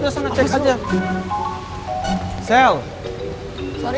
udah sana cek dulu